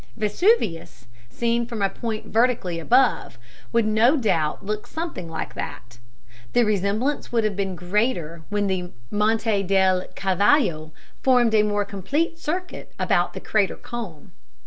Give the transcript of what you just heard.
Vesuvius, seen from a point vertically above, would no doubt look something like that (the resemblance would have been greater when the Monte del Cavallo formed a more complete circuit about the crater cone).